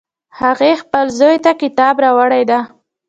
هغې خپل زوی ته کتاب راوړی ده